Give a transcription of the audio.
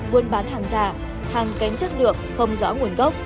buôn bán hàng giả hàng kém chất lượng không rõ nguồn gốc